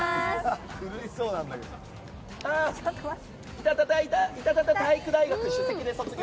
ああいたたた体育大学首席で卒業！